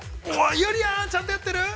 ◆ゆりやん、ちゃんとやってる？